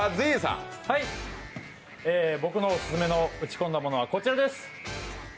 僕のオススメの打ち込んだものはこちらです。